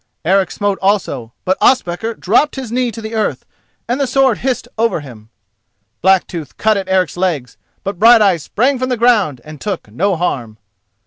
Eric smote also, but Ospakar dropped his knee to earth and the sword hissed over him. Blacktooth cut at Eric's legs; but Brighteyes sprang from the ground and took no harm.